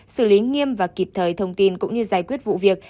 xử lý nghiêm và kịp thời thông tin cũng như giải quyết vụ việc